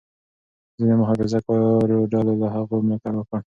ځینو محافظه کارو ډلو له هغه ملاتړ وکړ.